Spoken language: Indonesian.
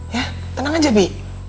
ya tenang aja bi